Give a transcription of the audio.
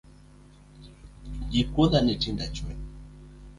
Ji kuodha ni tinde achue.